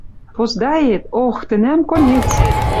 Поздает, ох, тӹнӓм конец!